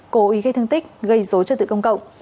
cố ý gây thương tích gây dối trật tự công cộng